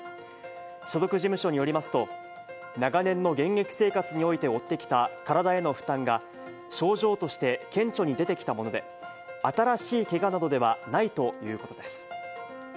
所属事務所によりますと、長年の現役生活において負ってきた体への負担が、症状として顕著に出てきたもので、新しいけがなどではないということです。